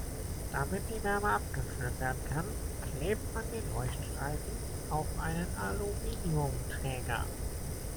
Damit die Wärme abgeführt werden kann, klebt man den Leuchtstreifen auf einen Aluminiumträger.